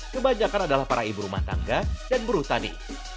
kebanyakan adalah para ibu rumah tangga dan berhutani